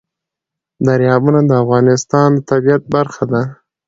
دریابونه د افغانستان د طبیعت برخه ده.